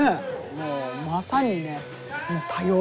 もうまさにね多様性。